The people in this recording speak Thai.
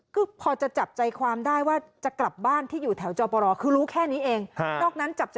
ก็พอจะจับใจความได้ว่าจะกลับบ้านที่อยู่แถวจอบร